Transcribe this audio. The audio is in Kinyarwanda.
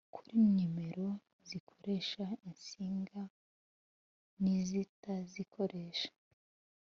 kuri nomero zikoresha insinga n izitazikoresha